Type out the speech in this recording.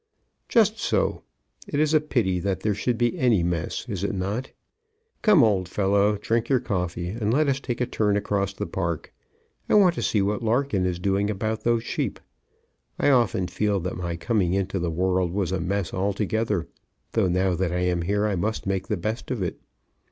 "Just so. It is a pity that there should be any mess; is not it? Come, old fellow, drink your coffee, and let us take a turn across the park. I want to see what Larkin is doing about those sheep. I often feel that my coming into the world was a mess altogether; though, now that I am here, I must make the best of it.